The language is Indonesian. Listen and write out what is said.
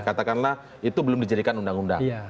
katakanlah itu belum dijadikan undang undang